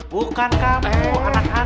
bukan kamu anak dua